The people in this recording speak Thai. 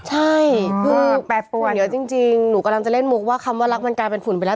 ใช่คือแปรปรวนเหนือจริงหนูกำลังจะเล่นมุกว่าคำว่ารักมันกลายเป็นฝุ่นไปแล้ว